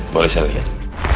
boleh saya lihat